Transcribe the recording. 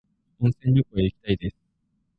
温泉旅行へ行きたいです